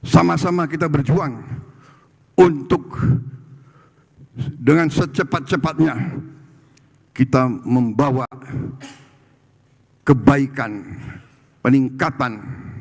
sama sama kita berjuang untuk dengan secepat cepatnya kita membawa kebaikan peningkatan